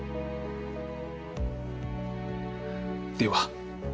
では。